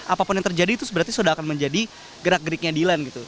apapun yang terjadi itu berarti sudah akan menjadi gerak geriknya dilan gitu